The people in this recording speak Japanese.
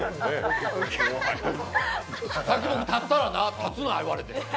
さっき僕立ったらな、立つな言われて。